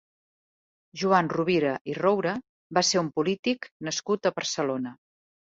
Joan Rovira i Roure va ser un polític nascut a Barcelona.